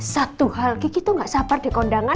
satu hal gigi tuh gak sabar dikondangan